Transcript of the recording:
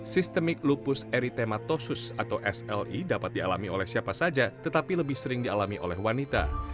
sistemik lupus eritematosus atau sli dapat dialami oleh siapa saja tetapi lebih sering dialami oleh wanita